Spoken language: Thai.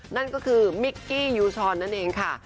นั่นก็คือมิกกี้ยูชรนั่นเองค่ะ